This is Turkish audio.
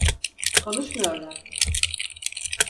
Konuşmuyorlar.